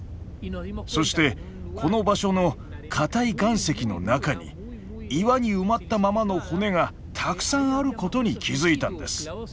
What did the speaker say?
そしてこの場所の硬い岩石の中に岩に埋まったままの骨がたくさんあることに気付いたんです。